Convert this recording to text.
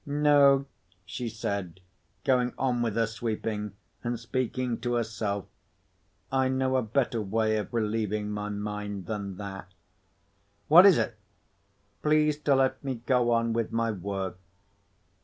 "No," she said, going on with her sweeping, and speaking to herself; "I know a better way of relieving my mind than that." "What is it?" "Please to let me go on with my work."